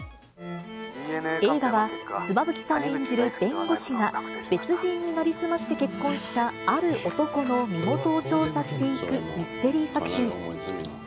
映画は、妻夫木さん演じる弁護士が、別人に成り済まして結婚したある男の身元を調査していくミステリー作品。